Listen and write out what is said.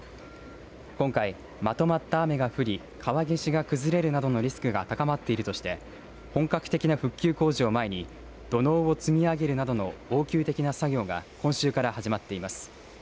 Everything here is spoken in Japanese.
今回まとまった雨が降り川岸が崩れるなどするリスクが高まっているとして本格的な復旧工事を前に土のうを積み上げるなどの応急的な作業が今週から始まっています。